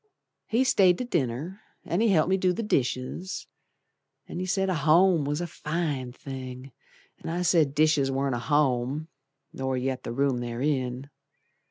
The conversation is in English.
He stayed to dinner, An' he helped me do the dishes, An' he said a home was a fine thing, An' I said dishes warn't a home Nor yet the room they're in.